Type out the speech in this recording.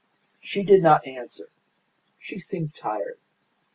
She did not answer. She seemed tired.